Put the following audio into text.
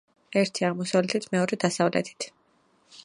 ერთი აღმოსავლეთით, მეორე დასავლეთით.